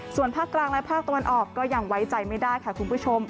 ส่วนภาคกลางและภาคตะวันออกก็ยังไว้ใจไม่ได้ค่ะคุณผู้ชม